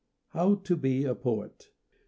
IX HOW TO BE A POET MR.